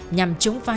nhằm chống phá